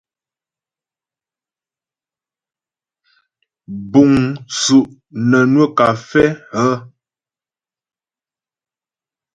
Búŋ tsú' nə́ nwə́ kafɛ́ hə́ ?